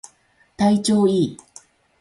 体調いい